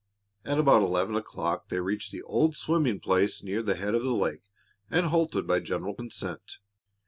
At about eleven o'clock they reached the old swimming place near the head of the lake and halted by general consent.